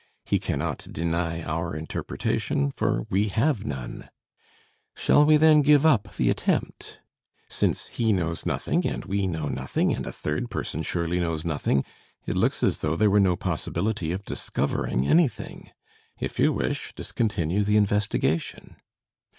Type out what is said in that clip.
He cannot deny our interpretation, for we have none. Shall we then give up the attempt? Since he knows nothing and we know nothing and a third person surely knows nothing, it looks as though there were no possibility of discovering anything. If you wish, discontinue the investigation.